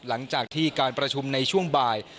หลังจากที่การประชุมในช่วงบ่าย